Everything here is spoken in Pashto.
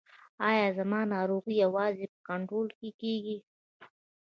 ایا زما ناروغي یوازې په کنټرول کیږي؟